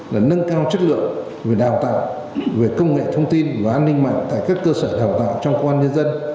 là nâng cao chất lượng về đào tạo về công nghệ thông tin và an ninh mạng tại các cơ sở đào tạo trong công an nhân dân